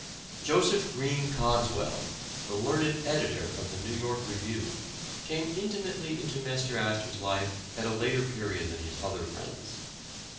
Joseph Green Cogswell, the learned editor of the ''New York Review," came intimately into Mr. Astor 's life at a later period than his other friends.